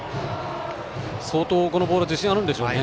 相当、このボール自信あるんでしょうね。